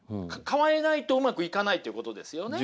変えないとうまくいかないということですよね。